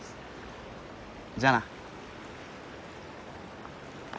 じゃあな。